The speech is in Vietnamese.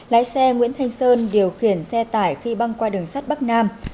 lái xe nguyễn thanh sơn điều khiển xe tải khi băng qua đường sắt bắc nam